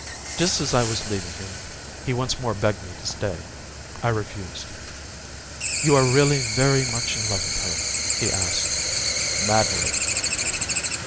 Just as I was leaving him, he once more begged me to stay. I refused. "You are really very much in love with her?" he asked. "Madly."